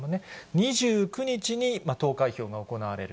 ２９日に投開票が行われる。